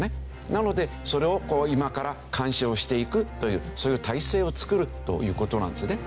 なのでそれを今から監視をしていくというそういう体制を作るという事なんですよね。